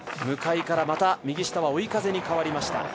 向かいからまた右下は追い風に変わりました。